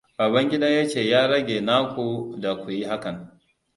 Babangida ya ce ya rage na ku da ku yi hakan.